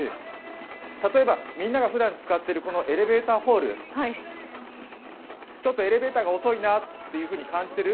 例えばみんながふだん使っているエレベーターホールちょっとエレベーターが遅いなっていうふうに感じてる？